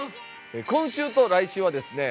今週と来週はですね